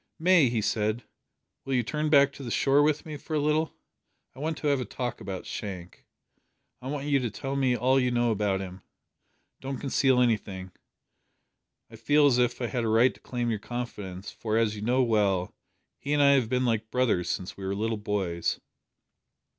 "May," he said, "will you turn back to the shore with me for a little? I want to have a talk about Shank. I want you to tell me all you know about him. Don't conceal anything. I feel as if I had a right to claim your confidence, for, as you know well, he and I have been like brothers since we were little boys."